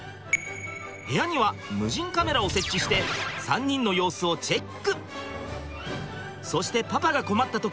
部屋には無人カメラを設置して３人の様子をチェック！